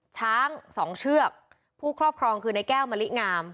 ช้างสองเชือกผู้ครอบครองคือในแก้วมะลิงาม